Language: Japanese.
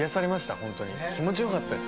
本当に気持ちよかったです。